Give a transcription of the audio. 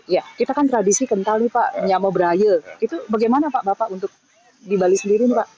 ya kita kan tradisi kentalnya pak nyamobraya itu bagaimana pak bapak untuk di bali sendiri pak